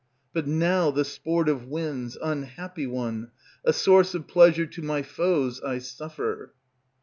But now the sport of winds, unhappy one, A source of pleasure to my foes, I suffer.